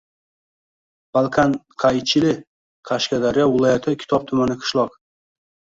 Balqanqaychili – Qashqadaryo viloyati Kitob tumani. qishloq.